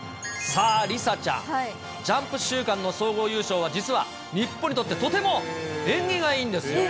さあ、梨紗ちゃん、ジャンプ週間の総合優勝は、実は日本にとって、とても縁起がいいんです。